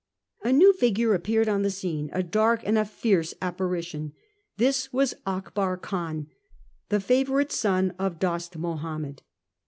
A new figure appeared on the scene, a dark and a fierce apparition. This was Akbar Khan, the favou rite son of Dost Mahomed.